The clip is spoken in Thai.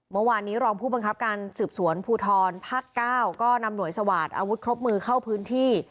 เมื่อวานนี้รองผู้บังคับการสืบสวนภูทรภาค๙ก็นำหน่วยสวาสตอาวุธครบมือเข้าพื้นที่